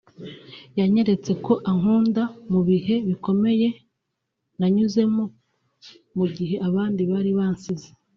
“ Yanyeretse ko ankunda mu bihe bikomeye nanyuzemo mu gihe abandi bari bansize